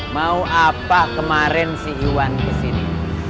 mau apa kemarin si yuan kesini